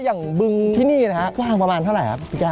อย่างบึงที่นี่นะครับว่างประมาณเท่าไหร่ครับพี่แก้ม